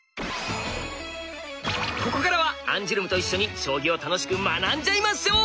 ここからはアンジュルムと一緒に将棋を楽しく学んじゃいましょう！